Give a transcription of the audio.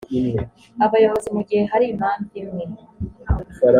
abayobozi mu gihe hari impamvu imwe